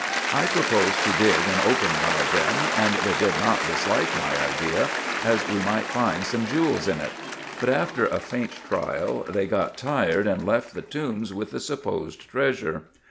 I proposed to dig and open one of them, and they did not dislike my idea, as we might find some jewels in it ; but after a faint trial they got tired, and left the tombs with the supposed treasure.